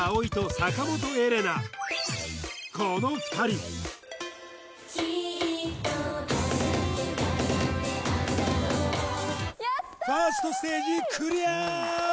たー嬉しい・ファーストステージクリア！